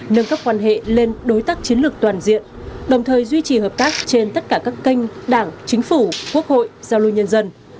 nâng cấp quan hệ lên đối tác chiến lược toàn diện đồng thời duy trì hợp tác trên tất cả các kênh đảng chính phủ quốc hội giao lưu nhân dân